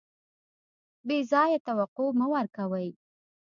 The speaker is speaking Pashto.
بې ځایه توقع مه ورکوئ.